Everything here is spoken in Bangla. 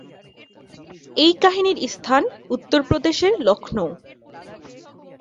এই কাহিনীর স্থান উত্তরপ্রদেশের লক্ষ্ণৌ।